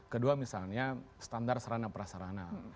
kedua misalnya standar serana prasarana